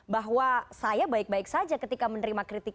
bahwa saya baik baik saja ketika menerima kritik